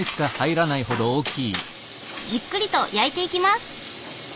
じっくりと焼いていきます。